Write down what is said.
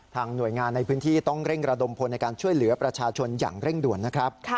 หน่วยงานในพื้นที่ต้องเร่งระดมพลในการช่วยเหลือประชาชนอย่างเร่งด่วนนะครับ